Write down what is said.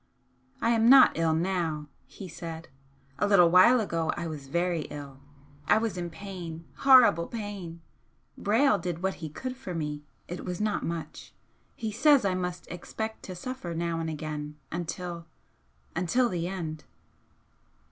"I am not ill now," he said "A little while ago I was very ill. I was in pain horrible pain! Brayle did what he could for me it was not much. He says I must expect to suffer now and again until until the end."